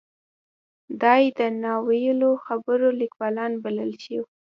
دای د نا ویلو خبرو لیکوال بللی شو.